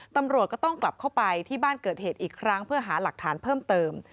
ตำรวจก็ต้องกลับเข้าไปที่บ้านเกิดเหตุอีกครั้งเพื่อหาหลักฐานเพิ่มเติม